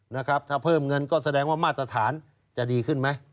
นะครับถ้าเพิ่มเงินก็แสดงว่ามาตรฐานจะดีขึ้นไหม